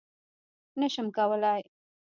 _نه شم کولای.